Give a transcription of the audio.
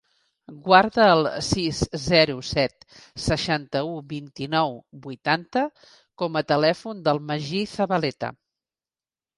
Guarda el sis, zero, set, seixanta-u, vint-i-nou, vuitanta com a telèfon del Magí Zabaleta.